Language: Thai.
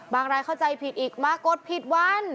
รายเข้าใจผิดอีกมากดผิดวัน